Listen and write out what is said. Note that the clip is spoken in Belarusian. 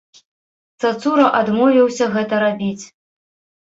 Цацура адмовіўся гэта рабіць.